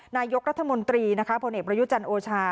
นายกรัฐมนตรีพเประยุจันทร์โอชา